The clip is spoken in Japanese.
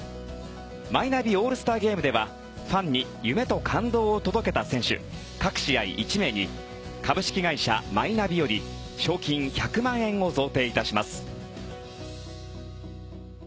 マイナビオールスターゲームではファンに夢と感動を届けた選手各試合１名に株式会社マイナビより賞金１００万円を贈呈致します。